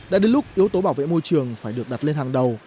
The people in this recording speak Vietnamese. đã đến lúc yếu tố bảo vệ môi trường phải được đặt lên hàng đầu